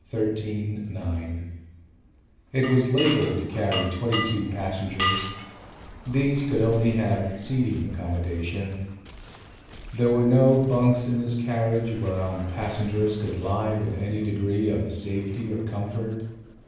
13 9. It was labelled to carry 22 passengers. These could only have seating accommodation. There were no bunks in this carriage whereon passengers could lie with any degree of safety or comfort.